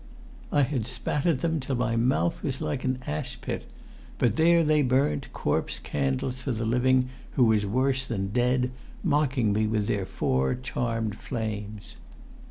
I had spat at them till my mouth was like an ash pit; but there they burnt, corpse candles for the living who was worse than dead, mocking me with their four charmed flames.